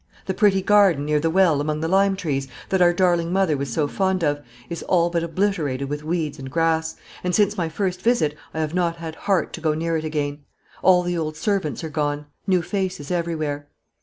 The pretty garden, near the well, among the lime trees, that our darling mother was so fond of, is all but obliterated with weeds and grass, and since my first visit I have not had heart to go near it again. All the old servants are gone; new faces everywhere.